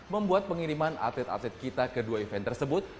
membuat pengiriman atlet atlet kita ke dua event tersebut